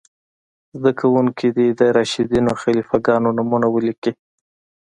زده کوونکي دې د راشدینو خلیفه ګانو نومونه ولیکئ.